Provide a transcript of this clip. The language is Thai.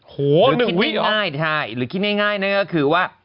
หรือคิดง่ายนะก็คือว่า